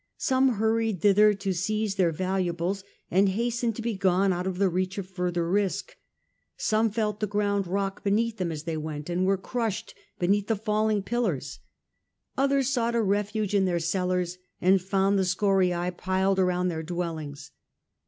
Some hurried thither to seize their valuables and hasten to be gone out of reach of further risk ; some felt the ground rock beneath them as they went and were crushed be neath tl o falling pillars ; others sought a refuge in their cellars, and found the scorias piled around their dwellings.